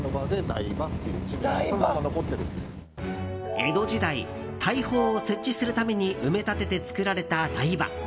江戸時代大砲を設置するために埋め立てて造られた台場。